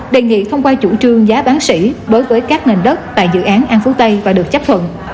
đề nghị thông qua chủ trương giá bán xỉ đối với các nền đất tại dự án an phú tây và được chấp thuận